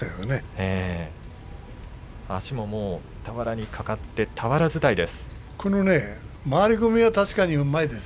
足も俵にかかって俵伝いです。